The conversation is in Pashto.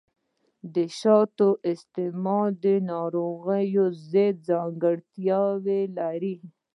د شاتو استعمال د ناروغیو ضد ځانګړتیا لري.